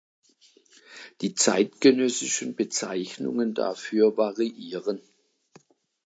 Die zeitgenössischen Bezeichnungen dafür variieren.